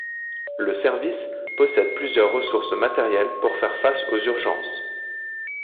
Le service possède plusieurs ressources matériels pour faire face aux urgences.